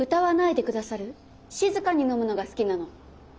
静かに飲むのが好きなの。